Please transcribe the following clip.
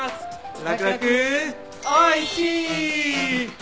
ラクラクおいし！